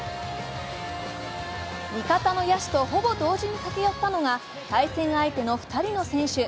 味方の野手とほぼ同時に駆け寄ったのが、対戦相手の２人の選手。